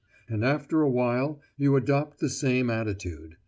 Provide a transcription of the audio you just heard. And after awhile you adopt the same attitude.